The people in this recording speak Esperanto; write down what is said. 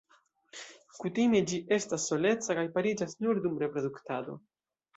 Kutime ĝi estas soleca kaj pariĝas nur dum reproduktado.